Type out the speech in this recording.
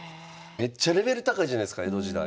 めっちゃレベル高いじゃないすか江戸時代。